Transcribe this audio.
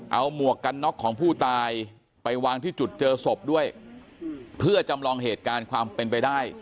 เอาหมวกกันน็อกของผู้ตายไปวางที่จุดเจอศพด้วยเพื่อจำลองเหตุการณ์ความเป็นไปได้